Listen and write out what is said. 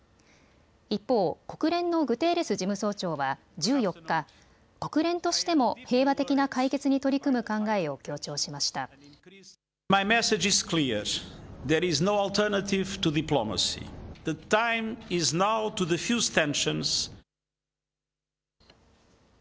一方、国連のグテーレス事務総長は１４日、国連としても平和的な解決に取り組む考えを強調しました。